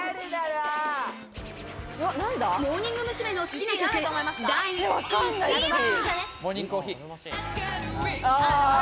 モーニング娘。の好きな曲、第１位は。